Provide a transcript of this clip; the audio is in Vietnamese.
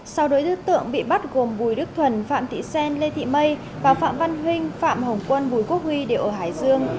sau đối tượng bị bắt gồm bùi đức thuần phạm thị xen lê thị mây và phạm văn huynh phạm hồng quân bùi quốc huy đều ở hải dương